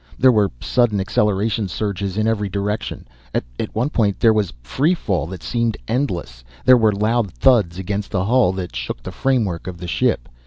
There were sudden acceleration surges in every direction. At one point there was a free fall that seemed endless. There were loud thuds against the hull that shook the framework of the ship.